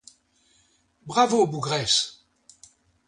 Bravo, bougresse!